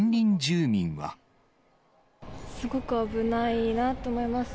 すごく危ないなと思います。